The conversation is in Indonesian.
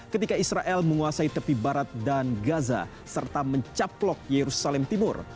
ketika israel menguasai tepi barat dan gaza serta mencaplok yerusalem timur